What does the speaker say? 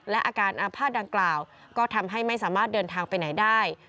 และอาการอาภาษณ์ดังกล่าวก็ทำให้ไม่สามารถเดินทางไปไหนได้